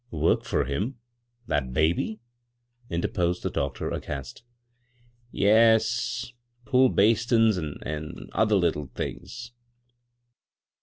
" Work for him — that baby I " interposed ~ the doctor, aghast '" Yes ; pu!i bastin's an' — an' other litde things."